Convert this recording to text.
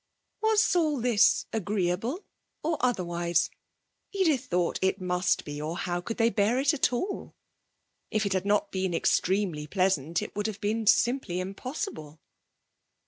Was all this agreeable or otherwise? Edith thought it must be, or how could they bear it at all? If it had not been extremely pleasant it would have been simply impossible.